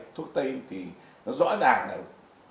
thuốc tây thì nó rõ ràng